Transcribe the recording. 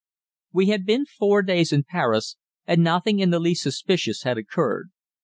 We had been four days in Paris, and nothing in the least suspicious had occurred.